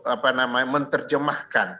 apa namanya menerjemahkan